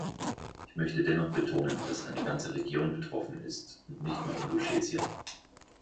Ich möchte dennoch betonen, dass eine ganze Region betroffen ist, und nicht nur Inguschetien.